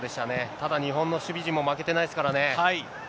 ただ、日本の守備陣も負けてないですからね。